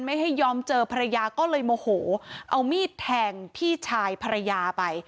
ให้ยอมเจอภรรยาก็เลยโมโหเอามีดแทงพี่ชายภรรยาไป